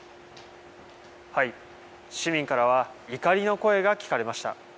市民からは怒りの声が聞かれました。